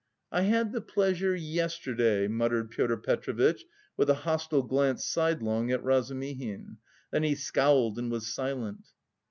"I had the pleasure... yesterday," muttered Pyotr Petrovitch with a hostile glance sidelong at Razumihin; then he scowled and was silent.